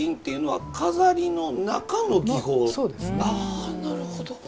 あなるほど。